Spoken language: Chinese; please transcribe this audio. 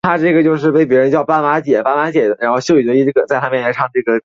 该频道在乌克兰及摩尔多瓦被禁止收看。